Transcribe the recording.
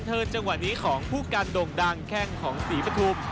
เธอจังหวะนี้ของผู้การโด่งดังแข้งของศรีปฐุม